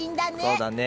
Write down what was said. そうだね。